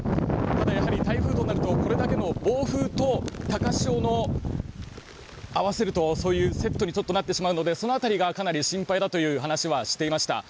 ただ台風となるとこれだけの台風と高潮と合わせるとそういうふうになってしまうのでその辺りがかなり心配だという話はしていました。